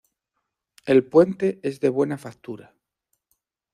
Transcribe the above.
El puente es de buena factura.